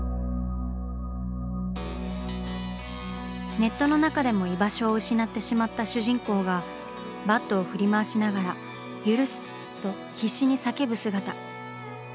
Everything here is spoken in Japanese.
ネットの中でも居場所を失ってしまった主人公がバットを振り回しながら「許す」と必死に叫ぶ姿。